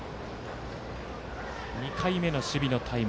２回目の守備のタイム。